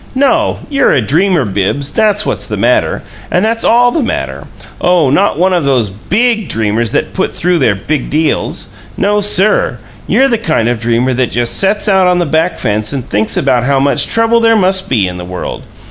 No. You're a dreamer, Bibbs; that's what's the matter, and that's ALL the matter. Oh, not one o' these BIG dreamers that put through the big deals! No, sir! You're the kind o' dreamer that just sets out on the back fence and thinks about how much trouble there must be in the world!